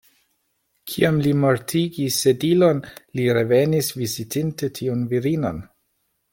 Kiam li mortigis Sedilon, li revenis, vizitinte tiun virinon.